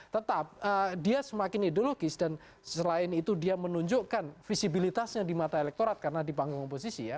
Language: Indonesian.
tetap dia semakin ideologis dan selain itu dia menunjukkan visibilitasnya di mata elektorat karena di panggung oposisi ya